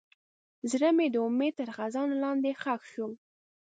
زړه مې د امید تر خزان لاندې ښخ شو.